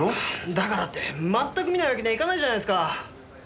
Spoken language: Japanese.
だからって全く見ないわけにはいかないじゃないですか！